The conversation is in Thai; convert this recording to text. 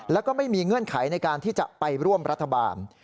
แล้วก็ไม่มีเงื่อนไขในการที่จะไปร่วมรัฐบาล